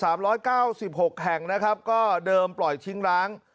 ร้อยเก้าสิบหกแห่งนะครับก็เดิมปล่อยทิ้งร้าง